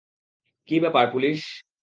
কী ব্যাপার, পুলিশ?